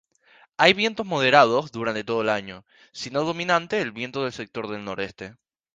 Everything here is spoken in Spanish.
Hay vientos moderados durante todo el año, siendo dominante el viento del sector noreste.